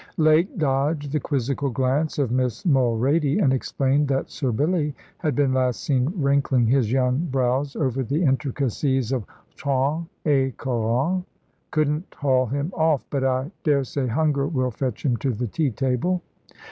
Lake dodged the quizzical glance of Miss Mulrady, and explained that Sir Billy had been last seen wrinkling his young brows over the intricacies of trente et quarante. "Couldn't haul him off; but I daresay hunger will fetch him to the tea table."